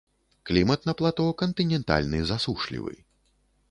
Клімат на плато кантынентальны засушлівы.